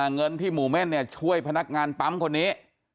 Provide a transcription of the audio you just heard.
เงินที่หมู่เม่นช่วยพนักงานปั๊มคนนี้